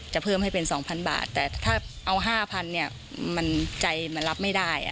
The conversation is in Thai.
เพิ่มให้เป็น๒๐๐บาทแต่ถ้าเอา๕๐๐เนี่ยมันใจมันรับไม่ได้